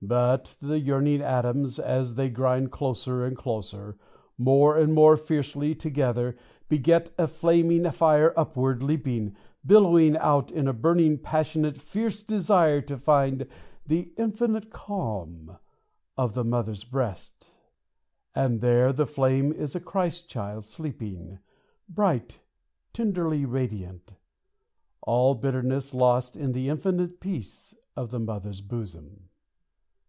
But the yearning atoms, as they grind Closer and closer, more and more Fiercely together, beget A flaming fire upward leaping, Billowing out in a burning, Passionate, fierce desire to find The infinite calm of the mother's breast. And there the flame is a Christ child sleeping, Bright, tenderly radiant; All bitterness lost in the infinite Peace of the mother's bosom.